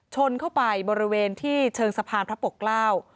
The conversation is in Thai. ชนเข้าไปบริเวณที่เชิงสะพานพระปกเกล้า